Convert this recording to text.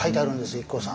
ＩＫＫＯさん。